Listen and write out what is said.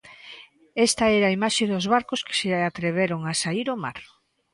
Esta era a imaxe dos barcos que se atreveron a saír ao mar.